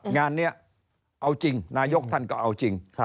งานนี้เอาจริงนายกท่านก็เอาจริง